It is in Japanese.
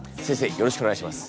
よろしくお願いします。